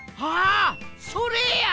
それや！